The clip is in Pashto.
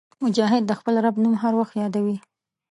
مجاهد د خپل رب نوم هر وخت یادوي.